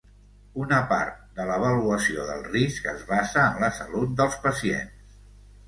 Una part de l'avaluació del risc es basa en la salut dels pacients.